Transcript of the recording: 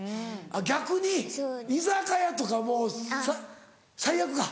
逆に居酒屋とかもう最悪か。